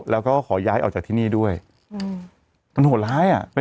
แล้วก็ขอย้ายออกจากที่นี่ด้วยมันโหดร้ายอ่ะ